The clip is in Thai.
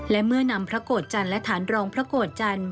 และเมื่อนำพระโกรธจันทร์และฐานรองพระโกรธจันทร์